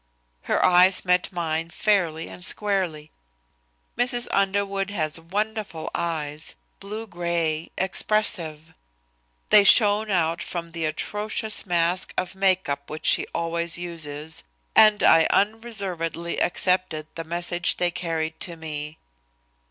Her eyes met mine fairly and squarely. Mrs. Underwood has wonderful eyes, blue gray, expressive. They shone out from the atrocious mask of make up which she always uses, and I unreservedly accepted the message they carried to me.